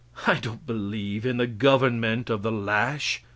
I don't believe in the government of the lash.